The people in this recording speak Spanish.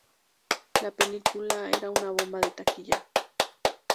La película era una bomba de taquilla.